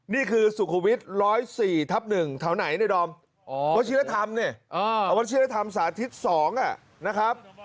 นี่คือสุขวิทย์๑๐๔ทับ๑แถวไหนในดอมวัชิรธรรมเนี่ยวัชิรธรรมสาธิต๒นะครับ